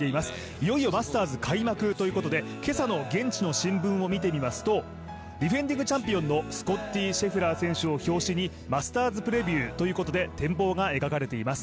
いよいよマスターズ開幕ということで今朝の現地の新聞を見てみますとディフェンディングチャンピオンのスコッティ・シェフラー選手を表紙にマスターズプレビューということで展望が描かれています。